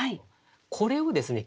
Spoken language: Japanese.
これをですね